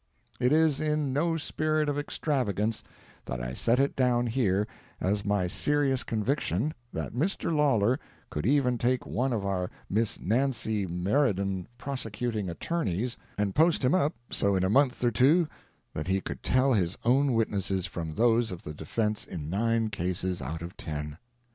It is in no spirit of extravagance that I set it down here as my serious conviction that Mr. Lawlor could even take one of our Miss Nancy "Meriden" Prosecuting Attorneys and post him up so in a month or two that he could tell his own witnesses from those of the defense in nine cases out of ten.